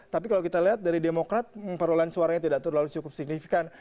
tapi kalau kita lihat dari demokrat perolehan suaranya tidak terlalu cukup signifikan